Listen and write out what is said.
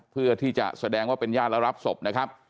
เพื่อที่จะแสดงว่าเป็นญาติแล้วรับศพนะครับ